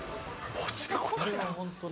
ポチが答えた。